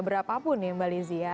berapapun ya mbak lizzie ya